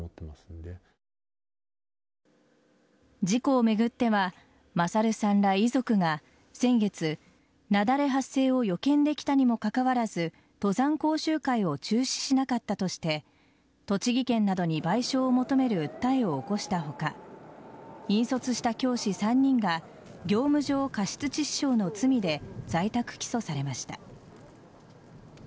事故を巡っては勝さんら遺族が先月、雪崩発生を予見できたにもかかわらず登山講習会を中止しなかったとして栃木県などに賠償を求める訴えを起こした他引率した教師３人が業務上過失致死傷の罪で在宅起訴されました。